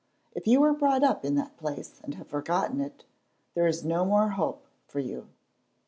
If you were brought up in that place and have forgotten it, there is no more hope for you.